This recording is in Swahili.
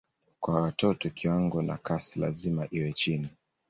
Kwa watoto kiwango na kasi lazima iwe chini.